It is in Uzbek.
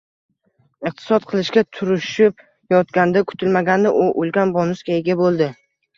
iqtisod qilishga tirishib yotganda kutilmaganda u ulkan bonusga ega bo‘ldi.